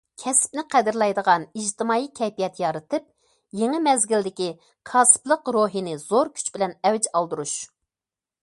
كەسىپنى قەدىرلەيدىغان ئىجتىمائىي كەيپىيات يارىتىپ، يېڭى مەزگىلدىكى كاسىپلىق روھىنى زور كۈچ بىلەن ئەۋج ئالدۇرۇش.